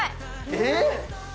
えっ？